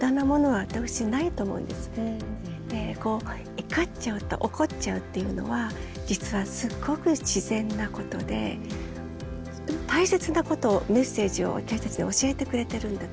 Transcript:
いかっちゃうとおこっちゃうっていうのは実はすっごく自然なことでとっても大切なことをメッセージを私たちに教えてくれてるんだと思う。